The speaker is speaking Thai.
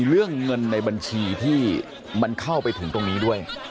เรื่องเงินในบัญชีที่มันเข้าไปถึงตรงนี้ด้วย